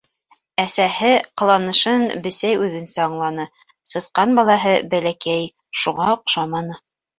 «Әсәһе» ҡыланышын бесәй үҙенсә аңланы: «Сысҡан балаһы бәләкәй, шуға оҡшаманы».